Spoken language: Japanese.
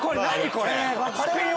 これ。